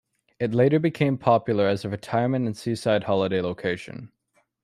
It later became popular as a retirement and seaside holiday location.